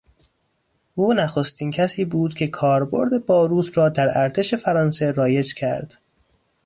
او نخستین کسی بود که کاربرد باروت را در ارتش فرانسه رایج کرد.